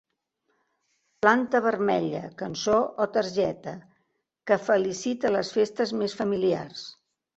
Planta vermella, cançó o targeta que felicita les festes més familiars.